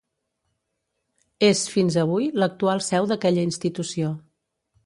És, fins avui, l'actual seu d'aquella institució.